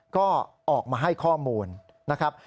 ก็ออกมาให้ข้อมูลนะครับ